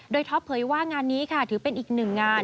โดยท็อปเผยว่างานนี้ค่ะถือเป็นอีกหนึ่งงาน